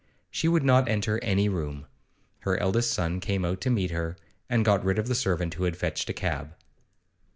She would not enter any room. Her eldest son came out to meet her, and got rid of the servant who had fetched a cab.